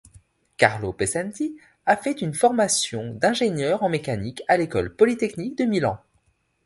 Carlo Pesenti a fait une formation d'ingénieur en Mécanique à l'École polytechnique de Milan.